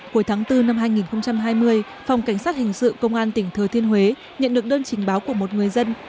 cuối tháng bốn năm hai nghìn hai mươi phòng cảnh sát hình sự công an tỉnh thừa thiên huế nhận được đơn trình báo của một người dân